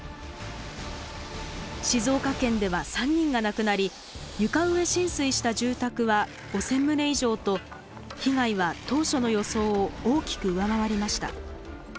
静岡県では３人が亡くなり床上浸水した住宅は５，０００棟以上と被害は当初の予想を大きく上回りました。